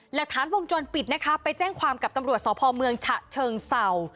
หลักฐานวงจรปิดนะคะไปแจ้งความกับตำรวจสพเมืองฉะเชิงเศร้า